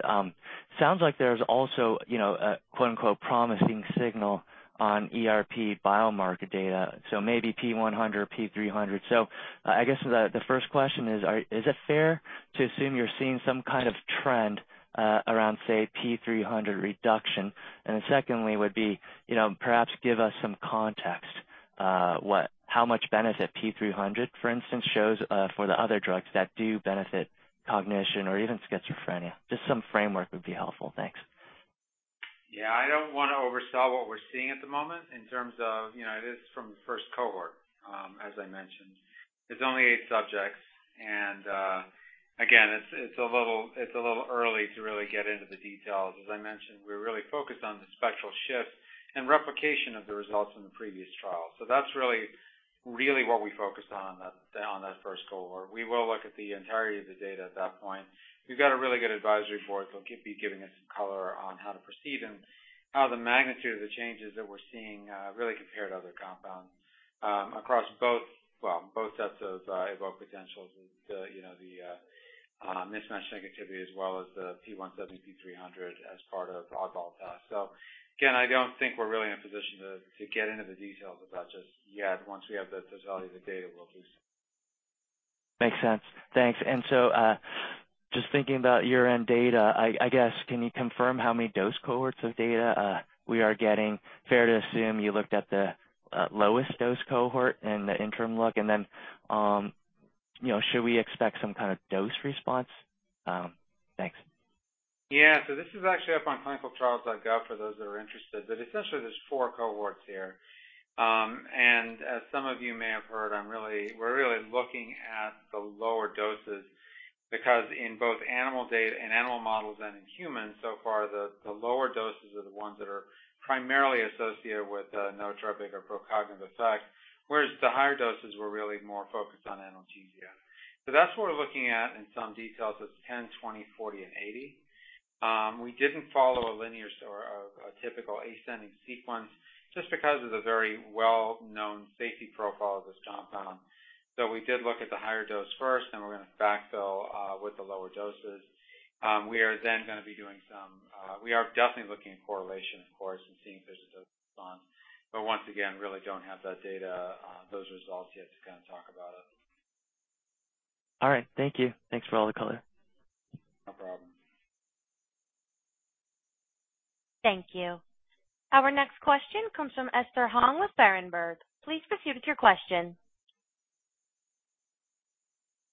sounds like there's also, you know, a quote-unquote "promising signal" on ERP biomarker data, so maybe P100, P300. I guess the first question is it fair to assume you're seeing some kind of trend around, say, P300 reduction? Then secondly, would be, you know, perhaps give us some context, what how much benefit P300, for instance, shows, for the other drugs that do benefit cognition or even schizophrenia? Just some framework would be helpful. Thanks. Yeah, I don't wanna oversell what we're seeing at the moment in terms of, you know, it is from first cohort, as I mentioned. It's only eight subjects, and, again, it's a little early to really get into the details. As I mentioned, we're really focused on the spectral shift and replication of the results from the previous trial. So that's really what we focused on that first cohort. We will look at the entirety of the data at that point. We've got a really good advisory board that'll be giving us some color on how to proceed and how the magnitude of the changes that we're seeing really compare to other compounds across both sets of evoked potentials and, you know, the mismatch negativity as well as the P170, P300 as part of oddball task. Again, I don't think we're really in a position to get into the details of that just yet. Once we have the totality of the data, we'll do so. Makes sense. Thanks. Just thinking about year-end data, I guess, can you confirm how many dose cohorts of data we are getting? Fair to assume you looked at the lowest dose cohort in the interim look, and then, you know, should we expect some kind of dose response? Thanks. Yeah. This is actually up on clinicaltrials.gov for those that are interested. Essentially, there's four cohorts here. As some of you may have heard, we're really looking at the lower doses because in both animal data and animal models and in humans, so far, the lower doses are the ones that are primarily associated with nootropic or procognitive effects, whereas the higher doses were really more focused on analgesia. That's what we're looking at in some details. It's 10, 20, 40, and 80. We didn't follow a linear or a typical ascending sequence just because of the very well-known safety profile of this compound. We did look at the higher dose first, and we're gonna backfill with the lower doses. We are then gonna be doing some. We are definitely looking at correlation, of course, and seeing if there's a response. Once again, really don't have that data, those results yet to kinda talk about it. All right. Thank you. Thanks for all the color. No problem. Thank you. Our next question comes from Esther Hong with Berenberg. Please proceed with your question.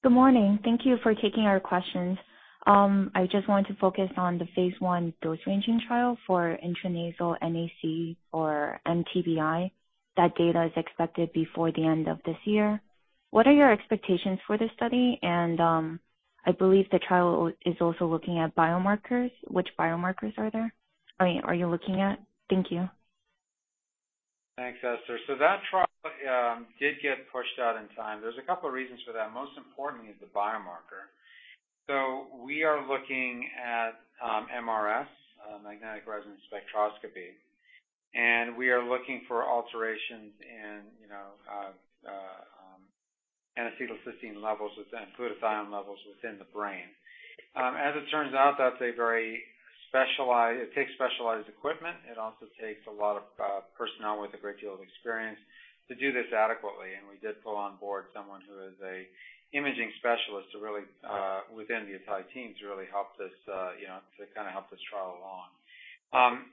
Good morning. Thank you for taking our questions. I just want to focus on the phase I dose ranging trial for intranasal NAC for mTBI. That data is expected before the end of this year. What are your expectations for this study? I believe the trial is also looking at biomarkers. Which biomarkers are there? I mean, are you looking at? Thank you. Thanks, Esther. That trial did get pushed out in time. There's a couple reasons for that, most importantly is the biomarker. We are looking at MRS, magnetic resonance spectroscopy, and we are looking for alterations in, you know, glutathione levels within the brain. As it turns out, that's a very specialized. It takes specialized equipment. It also takes a lot of personnel with a great deal of experience to do this adequately, and we did pull on board someone who is an imaging specialist to really within the atai team to really help this, you know, to kinda help this trial along.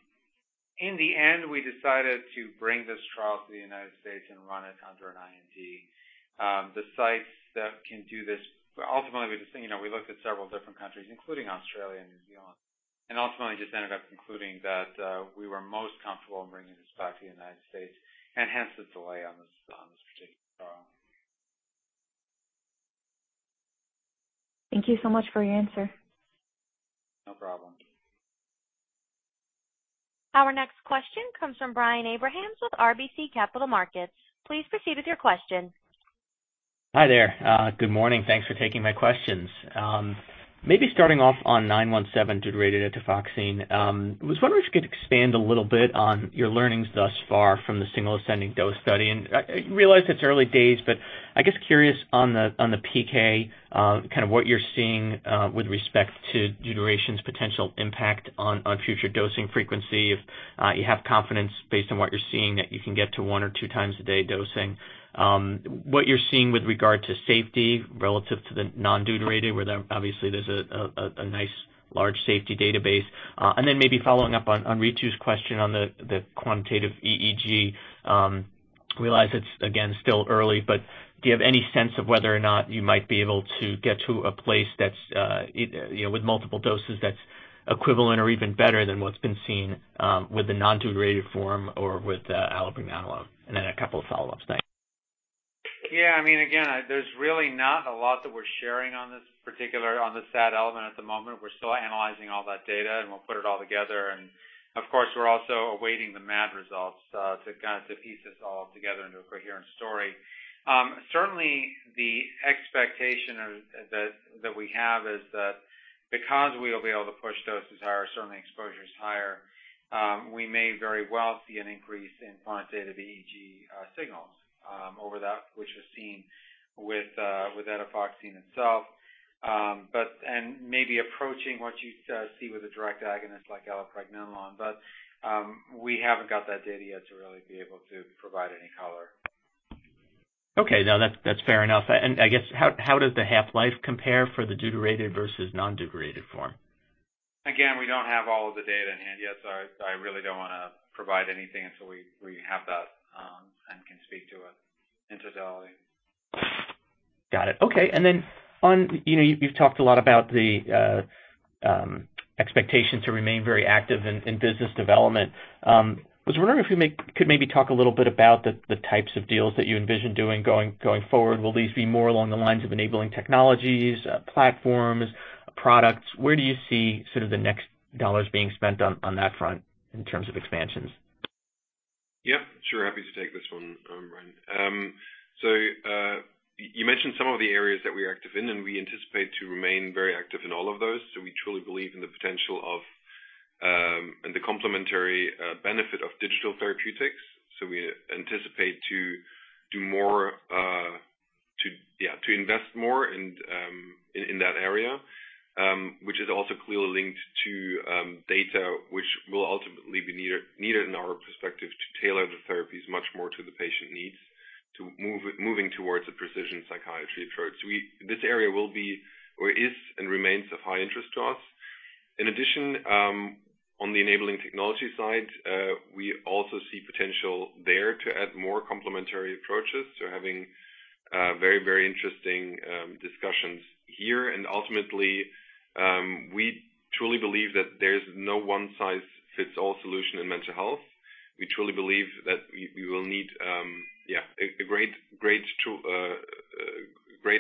In the end, we decided to bring this trial to the United States and run it under an IND. The sites that can do this. Ultimately, we just, you know, we looked at several different countries, including Australia and New Zealand, and ultimately just ended up concluding that we were most comfortable bringing this back to the United States, and hence the delay on this particular trial. Thank you so much for your answer. No problem. Our next question comes from Brian Abrahams with RBC Capital Markets. Please proceed with your question. Hi there. Good morning. Thanks for taking my questions. Maybe starting off on 917 deuterated etifoxine. Was wondering if you could expand a little bit on your learnings thus far from the single ascending dose study. I realize it's early days, but I guess curious on the PK, kind of what you're seeing, with respect to deuteration's potential impact on future dosing frequency, if you have confidence based on what you're seeing that you can get to 1x or 2x a day dosing. What you're seeing with regard to safety relative to the non-deuterated, where there obviously there's a nice large safety database. Maybe following up on Ritu's question on the quantitative EEG. I realize it's again still early, but do you have any sense of whether or not you might be able to get to a place that's you know with multiple doses that's equivalent or even better than what's been seen with the non-deuterated form or with the allopregnanolone? A couple of follow-ups. Thanks. Yeah, I mean, again, there's really not a lot that we're sharing on the SAD element at the moment. We're still analyzing all that data, and we'll put it all together. Of course, we're also awaiting the MAD results to piece this all together into a coherent story. Certainly the expectation that we have is that because we will be able to push doses higher, certainly exposures higher, we may very well see an increase in quantitative EEG signals over that which was seen with etifoxine itself. But maybe approaching what you see with a direct agonist like allopregnanolone. We haven't got that data yet to really be able to provide any color. Okay. No, that's fair enough. I guess, how does the half-life compare for the deuterated versus non-deuterated form? Again, we don't have all of the data in hand yet, so I really don't wanna provide anything until we have that and can speak to it in totality. Got it. Okay. Then on, you know, you've talked a lot about the expectation to remain very active in business development. I was wondering if you could maybe talk a little bit about the types of deals that you envision doing going forward. Will these be more along the lines of enabling technologies, platforms, products? Where do you see sort of the next dollars being spent on that front in terms of expansions? Yeah, sure. Happy to take this one, Brian. You mentioned some of the areas that we're active in, and we anticipate to remain very active in all of those. We truly believe in the potential of and the complementary benefit of digital therapeutics. We anticipate to do more, to invest more in that area, which is also clearly linked to data which will ultimately be needed in our perspective to tailor the therapies much more to the patient needs, to moving towards a precision psychiatry approach. This area will be or is and remains of high interest to us. In addition, on the enabling technology side, we also see potential there to add more complementary approaches. Having very interesting discussions here. Ultimately, we truly believe that there's no one-size-fits-all solution in mental health. We truly believe that we will need a great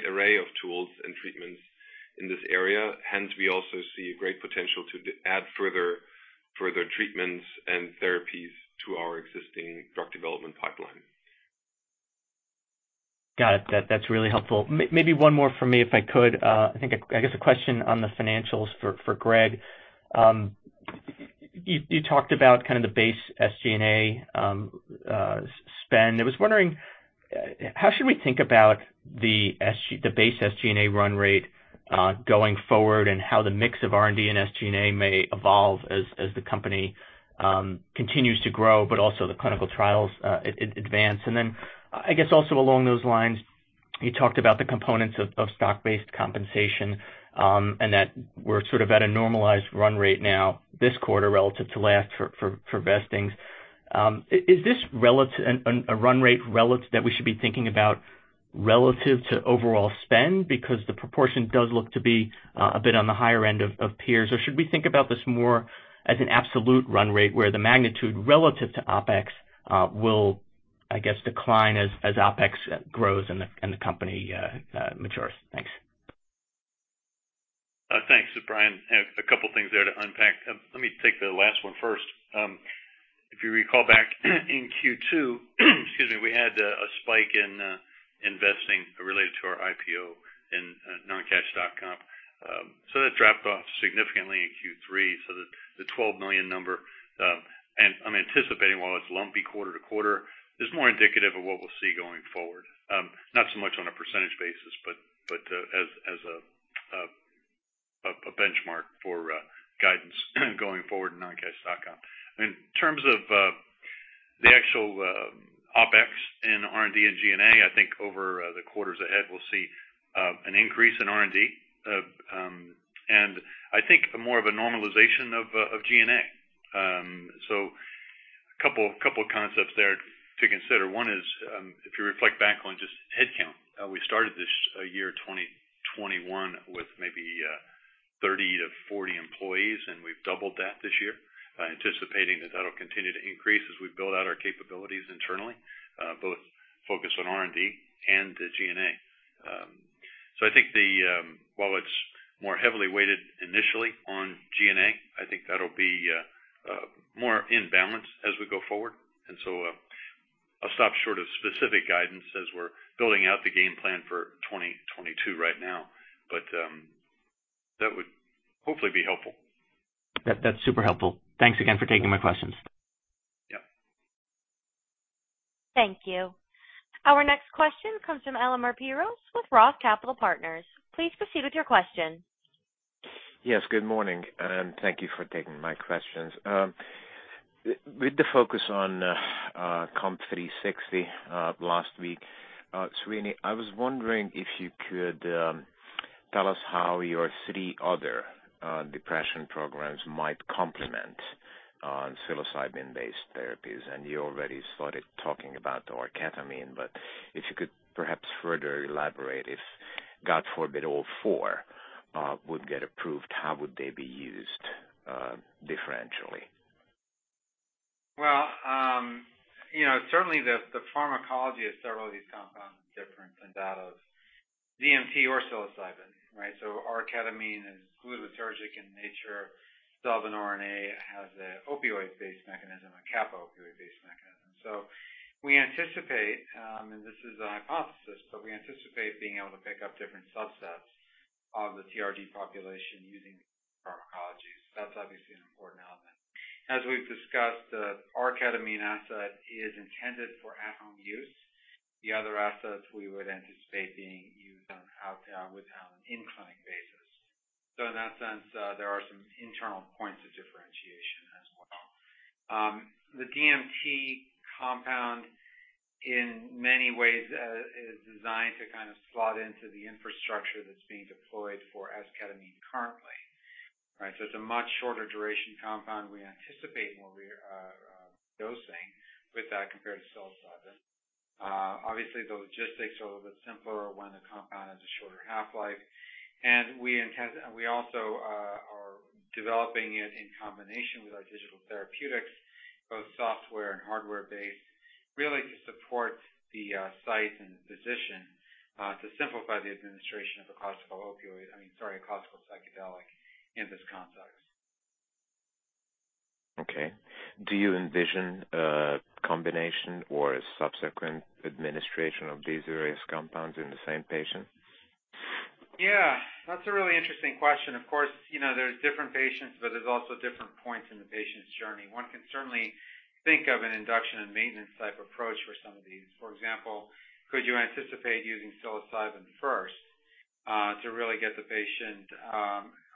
array of tools and treatments in this area. Hence, we also see great potential to add further treatments and therapies to our existing drug development pipeline. Got it. That's really helpful. Maybe one more for me, if I could. I think I guess a question on the financials for Greg. You talked about kind of the base SG&A spend. I was wondering, how should we think about the base SG&A run rate going forward and how the mix of R&D and SG&A may evolve as the company continues to grow but also the clinical trials advance? Then I guess also along those lines, you talked about the components of stock-based compensation, and that we're sort of at a normalized run rate now this quarter relative to last for vestings. Is this a run rate relative that we should be thinking about relative to overall spend because the proportion does look to be a bit on the higher end of peers? Or should we think about this more as an absolute run rate where the magnitude relative to OpEx will, I guess, decline as OpEx grows and the company matures? Thanks. Thanks, Brian. A couple things there to unpack. Let me take the last one first. If you recall back in Q2, excuse me, we had a spike in investing related to our IPO in non-cash comp. That dropped off significantly in Q3. The $12 million number, and I'm anticipating while it's lumpy quarter to quarter, is more indicative of what we'll see going forward. Not so much on a percentage basis, but as a benchmark for guidance going forward in non-cash comp. In terms of the actual OpEx in R&D and G&A, I think over the quarters ahead, we'll see an increase in R&D, and I think more of a normalization of G&A. A couple concepts there to consider. One is, if you reflect back on just headcount, we started this year 2021 with maybe 30-40 employees, and we've doubled that this year, anticipating that that'll continue to increase as we build out our capabilities internally, both focused on R&D and the G&A. I think, while it's more heavily weighted initially on G&A, I think that'll be more in balance as we go forward. I'll stop short of specific guidance as we're building out the game plan for 2022 right now. That would hopefully be helpful. That's super helpful. Thanks again for taking my questions. Yeah. Thank you. Our next question comes from Elemer Piros with Roth Capital Partners. Please proceed with your question. Yes, good morning, and thank you for taking my questions. With the focus on COMP360 last week, Srini, I was wondering if you could tell us how your three other depression programs might complement psilocybin-based therapies. You already started talking about the R-ketamine, but if you could perhaps further elaborate if, God forbid, all four would get approved, how would they be used differentially? Well, you know, certainly the pharmacology of several of these compounds is different than that of DMT or psilocybin, right? R-ketamine is glutamatergic in nature. Salvinorin A has an opioid-based mechanism, a kappa opioid-based mechanism. We anticipate, and this is a hypothesis, but we anticipate being able to pick up different subsets of the TRD population using pharmacologies. That's obviously an important element. As we've discussed, the R-ketamine asset is intended for at-home use. The other assets we would anticipate being used with an in-clinic basis. In that sense, there are some internal points of differentiation as well. The DMT compound in many ways is designed to kind of slot into the infrastructure that's being deployed for esketamine currently, right? It's a much shorter duration compound. We anticipate more dosing with that compared to psilocybin. Obviously, the logistics are a little bit simpler when the compound has a shorter half-life. We also are developing it in combination with our digital therapeutics, both software and hardware-based, really to support the site and the physician to simplify the administration of a classical opioid, I mean, sorry, a classical psychedelic in this context. Okay. Do you envision a combination or a subsequent administration of these various compounds in the same patient? Yeah, that's a really interesting question. Of course, you know, there's different patients, but there's also different points in the patient's journey. One can certainly think of an induction and maintenance type approach for some of these. For example, could you anticipate using psilocybin first to really get the patient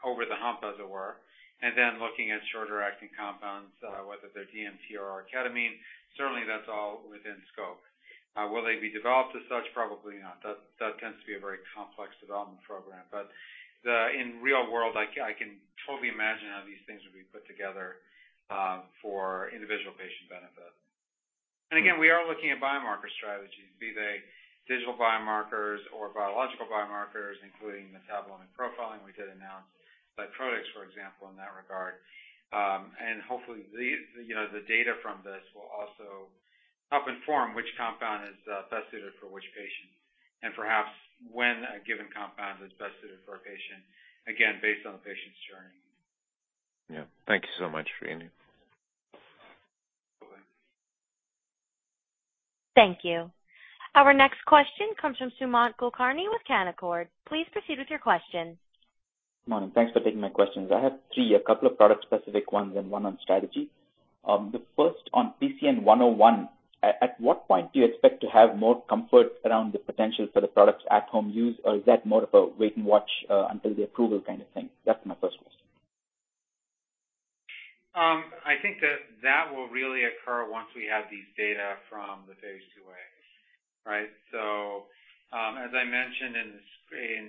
over the hump, as it were, and then looking at shorter acting compounds, whether they're DMT or R-ketamine. Certainly, that's all within scope. Will they be developed as such? Probably not. That tends to be a very complex development program. But in real world, I can totally imagine how these things would be put together for individual patient benefit. Again, we are looking at biomarker strategies, be they digital biomarkers or biological biomarkers, including metabolomic profiling. We did announce PsyProtix, for example, in that regard. Hopefully these, you know, the data from this will also help inform which compound is best suited for which patient and perhaps when a given compound is best suited for a patient, again, based on the patient's journey. Yeah. Thank you so much. Okay. Thank you. Our next question comes from Sumant Kulkarni with Canaccord. Please proceed with your question. Morning. Thanks for taking my questions. I have three, a couple of product specific ones and one on strategy. The first on PCN-101. At what point do you expect to have more comfort around the potential for the products at home use or is that more of a wait and watch until the approval kind of thing? That's my first question. I think that will really occur once we have these data from the phase II-A. Right? As I mentioned in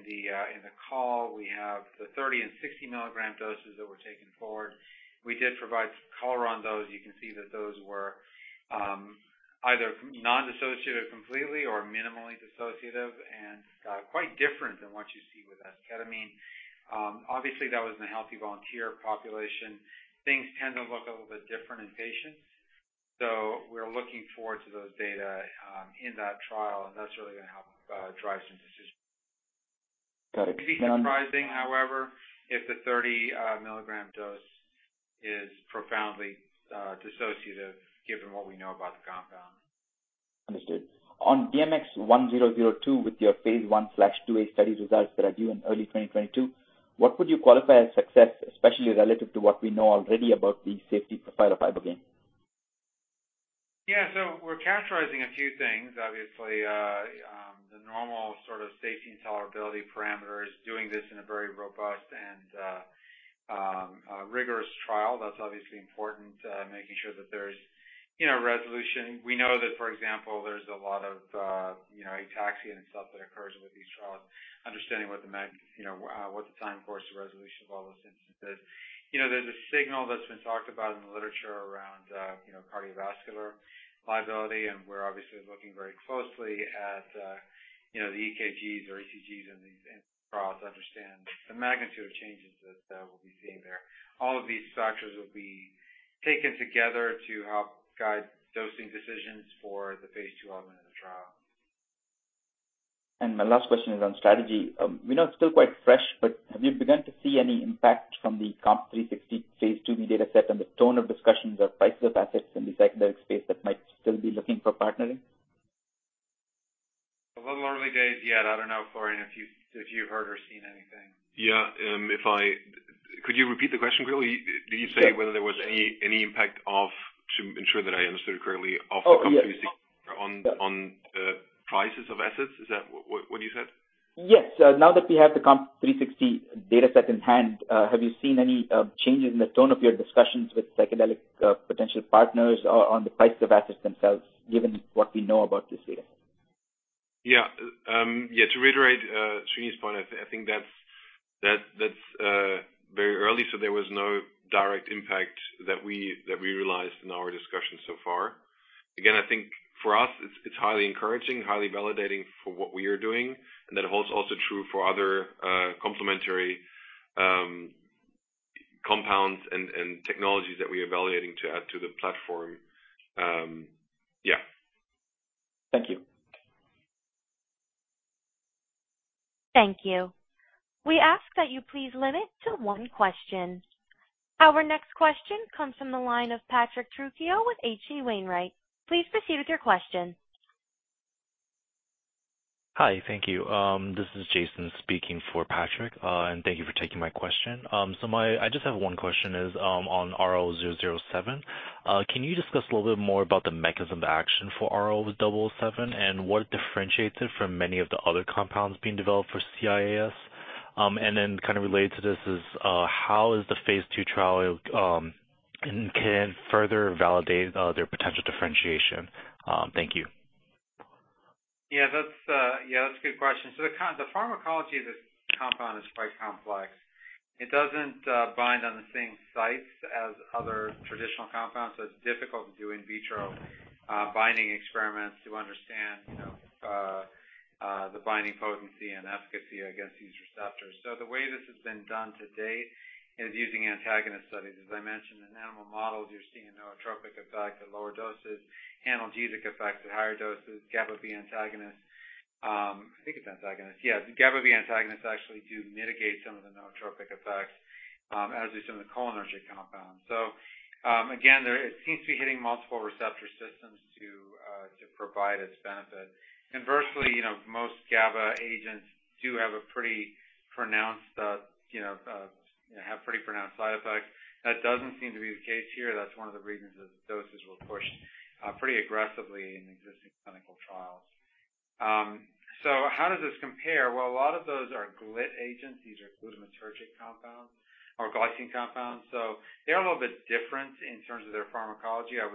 the call, we have the 30 mg and 60 mg doses that we're taking forward. We did provide color on those. You can see that those were either non-dissociative completely or minimally dissociative and quite different than what you see with esketamine. Obviously, that was in a healthy volunteer population. Things tend to look a little bit different in patients. We're looking forward to those data in that trial, and that's really going to help drive some decisions. Got it. It would be surprising, however, if the 30 mg dose is profoundly dissociative given what we know about the compound. Understood. On DMX-1002 with your phase I/II-A study results that are due in early 2022, what would you qualify as success, especially relative to what we know already about the safety profile of ibogaine? Yeah. We're characterizing a few things. Obviously, the normal sort of safety and tolerability parameters, doing this in a very robust and a rigorous trial. That's obviously important, making sure that there's resolution. We know that, for example, there's a lot of ataxia and stuff that occurs with these trials, understanding what the time course of resolution of all those instances. You know, there's a signal that's been talked about in the literature around cardiovascular liability, and we're obviously looking very closely at the EKGs or ECGs in these trials to understand the magnitude of changes that we'll be seeing there. All of these factors will be taken together to help guide dosing decisions for the phase II element of the trial. My last question is on strategy. We know it's still quite fresh, but have you begun to see any impact from the COMP360 phase II-B dataset and the tone of discussions of pricing of assets in the psychedelic space that might still be looking for partnering? Well, we're in the early days yet. I don't know, Florian, if you've heard or seen anything. Yeah. Could you repeat the question, Kulkarni? Did you say whether there was any impact, to ensure that I understood it correctly, of the COMP360 on prices of assets? Is that what you said? Yes. Now that we have the COMP360 data set in hand, have you seen any changes in the tone of your discussions with psychedelic potential partners on the price of assets themselves, given what we know about this data set? Yeah, to reiterate, Srini's point, I think that's very early, so there was no direct impact that we realized in our discussions so far. Again, I think for us, it's highly encouraging, highly validating for what we are doing, and that holds also true for other complementary compounds and technologies that we're evaluating to add to the platform. Yeah. Thank you. Thank you. We ask that you please limit to one question. Our next question comes from the line of Patrick Trucchio with H.C. Wainwright. Please proceed with your question. Hi. Thank you. This is Jason speaking for Patrick. Thank you for taking my question. I just have one question is on RL-007. Can you discuss a little bit more about the mechanism of action for RL-007 and what differentiates it from many of the other compounds being developed for CIAS? Then kind of related to this is how the phase II trial can further validate their potential differentiation? Thank you. Yeah, that's a good question. The pharmacology of this compound is quite complex. It doesn't bind on the same sites as other traditional compounds, so it's difficult to do in vitro binding experiments to understand, you know, the binding potency and efficacy against these receptors. The way this has been done to date is using antagonist studies. As I mentioned, in animal models, you're seeing a nootropic effect at lower doses, analgesic effect at higher doses. GABA-B antagonist. I think it's antagonist. GABA-B antagonists actually do mitigate some of the nootropic effects, as do some of the cholinergic compounds. Again, there it seems to be hitting multiple receptor systems to provide its benefit. Inversely, most GABA agents do have a pretty pronounced side effects. That doesn't seem to be the case here. That's one of the reasons the doses were pushed pretty aggressively in existing clinical trials. How does this compare? Well, a lot of those are GLU agents. These are glutamatergic compounds or glycine compounds, so they're a little bit different in terms of their pharmacology. I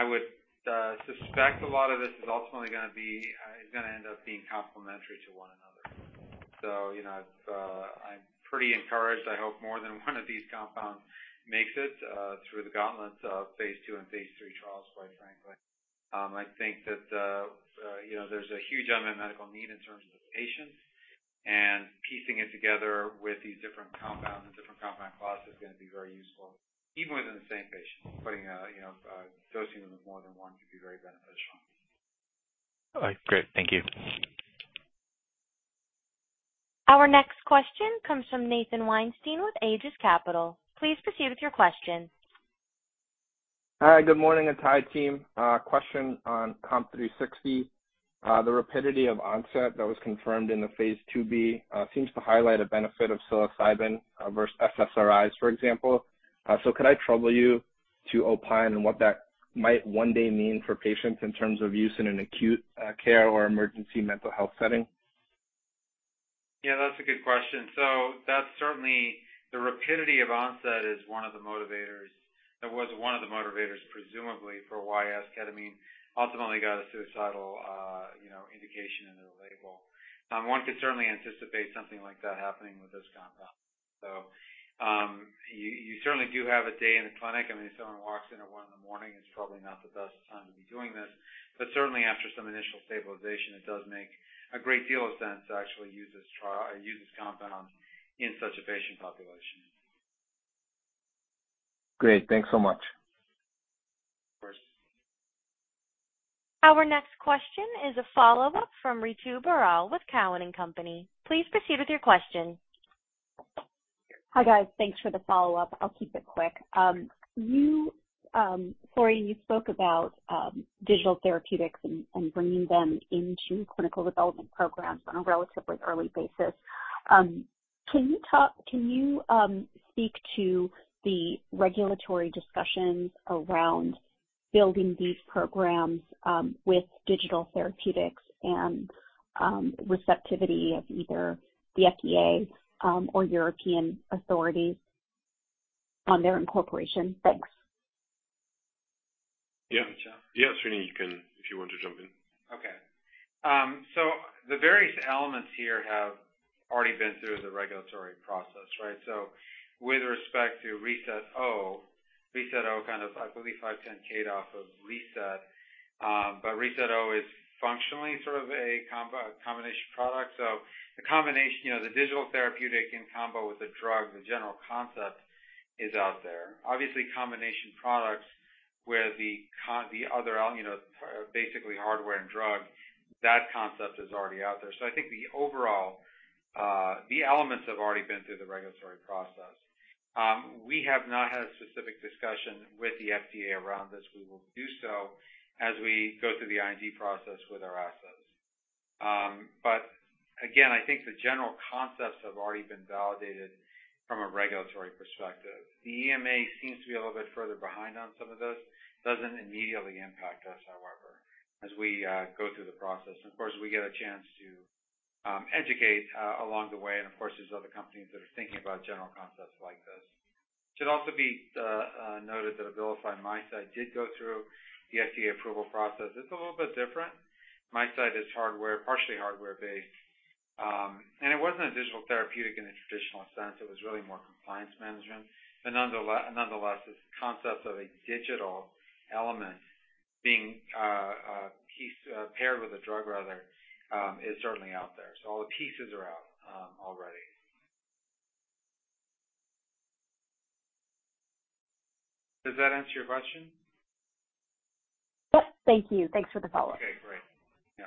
would suspect a lot of this is ultimately gonna end up being complementary to one another. I'm pretty encouraged. I hope more than one of these compounds makes it through the gauntlet of phase II and phase III trials, quite frankly. I think that, you know, there's a huge unmet medical need in terms of the patients, and piecing it together with these different compounds and different compound classes is gonna be very useful, even within the same patient. Putting a, you know, dosing of more than one could be very beneficial. All right. Great. Thank you. Our next question comes from Nathan Weinstein with Aegis Capital. Please proceed with your question. Hi, good morning, and to the team. Question on COMP360. The rapidity of onset that was confirmed in the phase II-B seems to highlight a benefit of psilocybin versus SSRIs, for example. Could I trouble you to opine on what that might one day mean for patients in terms of use in an acute care or emergency mental health setting? Yeah, that's a good question. That's certainly the rapidity of onset is one of the motivators. That was one of the motivators, presumably, for why esketamine ultimately got a suicidal, you know, indication in the label. One could certainly anticipate something like that happening with this compound. You certainly do have a day in the clinic. I mean, if someone walks in at one in the morning, it's probably not the best time to be doing this, but certainly after some initial stabilization, it does make a great deal of sense to actually use this compound in such a patient population. Great. Thanks so much. Of course. Our next question is a follow-up from Ritu Baral with Cowen and Company. Please proceed with your question. Hi, guys. Thanks for the follow-up. I'll keep it quick. Sorry, you spoke about digital therapeutics and bringing them into clinical development programs on a relatively early basis. Can you speak to the regulatory discussions around building these programs with digital therapeutics and receptivity of either the FDA or European authorities on their incorporation? Thanks. Yeah. Yeah, Srini, you can if you want to jump in. Okay. The various elements here have already been through the regulatory process, right? With respect to reSET-O, it kind of, I believe, 510(k) off of reSET. reSET-O is functionally sort of a combination product. The combination, you know, the digital therapeutic in combo with the drug, the general concept is out there. Obviously, combination products where, you know, basically hardware and drug, that concept is already out there. I think the overall, the elements have already been through the regulatory process. We have not had a specific discussion with the FDA around this. We will do so as we go through the IND process with our assets. Again, I think the general concepts have already been validated from a regulatory perspective. The EMA seems to be a little bit further behind on some of this. Doesn't immediately impact us, however, as we go through the process. Of course, we get a chance to educate along the way. Of course, there's other companies that are thinking about general concepts like this. It should also be noted that Abilify MyCite did go through the FDA approval process. It's a little bit different. MyCite is partially hardware based, and it wasn't a digital therapeutic in a traditional sense. It was really more compliance management. Nonetheless, this concept of a digital element being paired with a drug rather is certainly out there. All the pieces are out already. Does that answer your question? Yep. Thank you. Thanks for the follow-up. Okay, great. Yeah.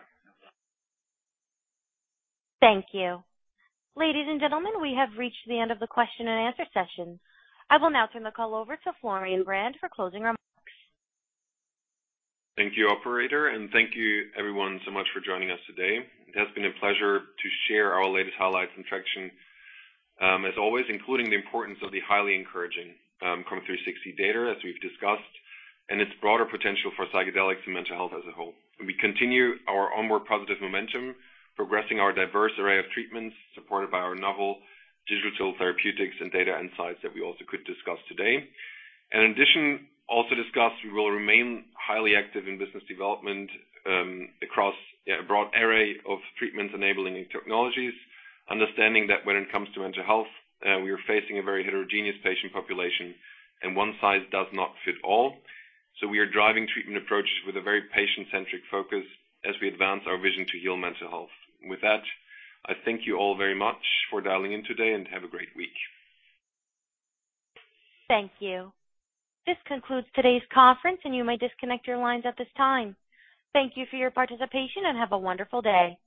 Thank you. Ladies and gentlemen, we have reached the end of the question and answer session. I will now turn the call over to Florian Brand for closing remarks. Thank you, operator, and thank you everyone so much for joining us today. It has been a pleasure to share our latest highlights and traction, as always, including the importance of the highly encouraging, COMP360 data, as we've discussed, and its broader potential for psychedelics and mental health as a whole. We continue our onward positive momentum, progressing our diverse array of treatments supported by our novel digital therapeutics and data insights that we also could discuss today. In addition, also discussed, we will remain highly active in business development, across a broad array of treatments enabling new technologies, understanding that when it comes to mental health, we are facing a very heterogeneous patient population and one size does not fit all. We are driving treatment approaches with a very patient-centric focus as we advance our vision to heal mental health. With that, I thank you all very much for dialing in today and have a great week. Thank you. This concludes today's conference, and you may disconnect your lines at this time. Thank you for your participation, and have a wonderful day.